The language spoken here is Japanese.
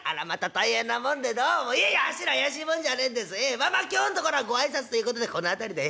まあまあ今日んところはご挨拶ということでこの辺りでええ。